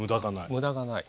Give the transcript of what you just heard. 無駄がない。